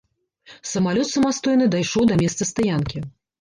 Самалёт самастойна дайшоў да месца стаянкі.